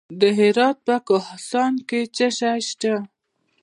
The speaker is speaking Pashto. د هرات په کهسان کې څه شی شته؟